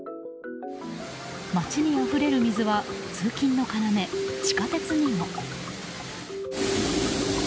街にあふれる水は通勤の要地下鉄にも。